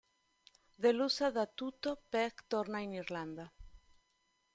Delusa da tutto, Peg torna in Irlanda.